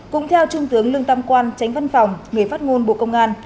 cũng theo trung tướng lương tam quang tránh văn phòng người phát ngôn bộ công an